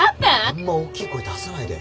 あんま大きい声出さないで。